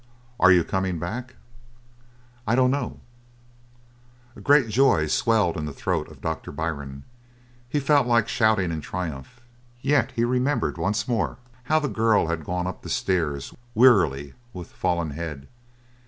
"Are you coming back?" "I dunno." A great joy swelled in the throat of Doctor Byrne. He felt like shouting in triumph; yet he remembered once more how the girl had gone up the stairs, wearily, with fallen head.